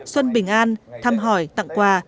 xuân bình an thăm hỏi tặng quà